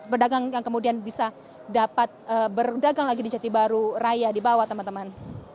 pedagang yang kemudian bisa dapat berdagang lagi di jati baru raya di bawah teman teman